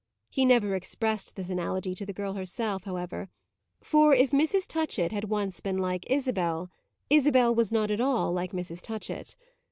He never expressed this analogy to the girl herself, however; for if Mrs. Touchett had once been like Isabel, Isabel was not at all like Mrs. Touchett.